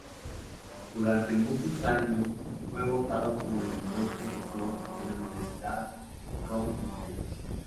Durante muchos años fue votado como el mejor profesor de la Universidad Complutense.